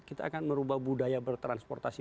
kita akan merubah budaya bertransportasi